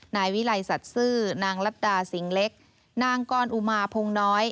นายวิลัยสัตซึนางลัตดาสิงหลักนางก้อนอุมาพงน้อย